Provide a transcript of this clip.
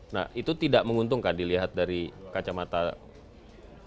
nah itu tidak menguntungkan dilihat dari kacamata